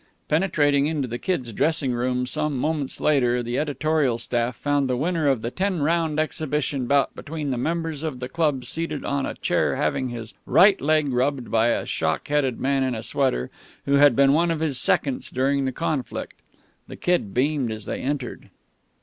Penetrating into the Kid's dressing room some moments later, the editorial staff found the winner of the ten round exhibition bout between members of the club seated on a chair having his right leg rubbed by a shock headed man in a sweater, who had been one of his seconds during the conflict. The Kid beamed as they entered.